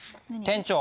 店長